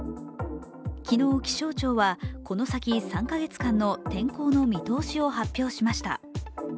昨日、気象庁は、この先３か月間の天候の見通しを発表しました。